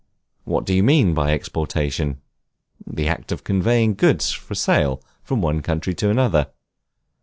What do you mean by Exportation? The act of conveying goods for sale from one country to another.